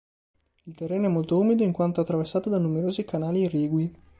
Il terreno è molto umido in quanto attraversato da numerosi canali irrigui.